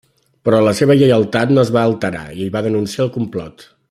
Però la seva lleialtat no es va alterar i va denunciar el complot.